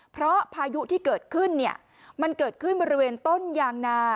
เพราะพายุที่เกิดขึ้นเนี่ยมันเกิดขึ้นบริเวณต้นยางนา